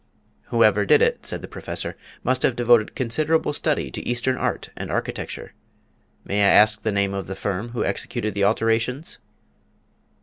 "Whoever did it," said the Professor, "must have devoted considerable study to Eastern art and architecture. May I ask the name of the firm who executed the alterations?"